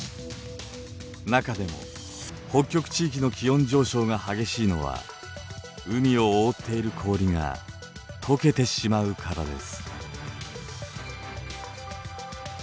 中でも北極地域の気温上昇が激しいのは海を覆っている氷が解けてしまうからです。